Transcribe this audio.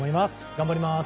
頑張ります。